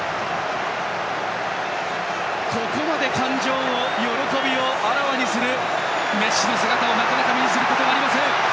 ここまで感情を、喜びをあらわにするメッシの姿をなかなか目にすることはありません。